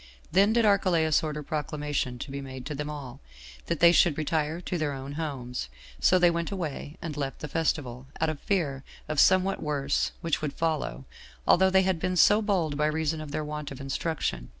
Then did Archelaus order proclamation to be made to them all, that they should retire to their own homes; so they went away, and left the festival, out of fear of somewhat worse which would follow, although they had been so bold by reason of their want of instruction.